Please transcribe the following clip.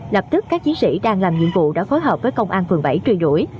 lập tức các chiến sĩ đang làm nhiệm vụ đã phối hợp với công an phường bảy truy đuổi